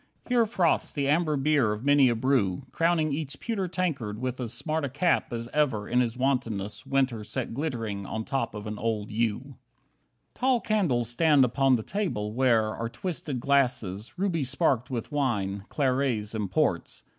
Here froths the amber beer of many a brew, Crowning each pewter tankard with as smart A cap as ever in his wantonness Winter set glittering on top of an old yew. 3 Tall candles stand upon the table, where Are twisted glasses, ruby sparked with wine, Clarets and ports.